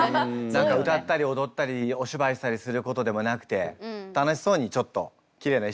何か歌ったり踊ったりお芝居したりすることでもなくて楽しそうにちょっときれいな衣装着て。